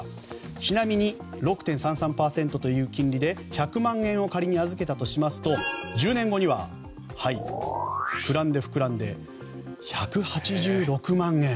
ちなみに６．３３％という金利で１００万円を仮に預けたとしますと１０年後には膨らんで、膨らんで１８６万円。